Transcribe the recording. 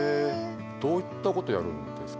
どういったことやるんですかね？